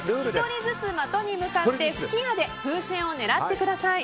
１人ずつ的に向かって吹き矢で風船を狙ってください。